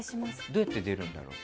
どうやって出るんだろう。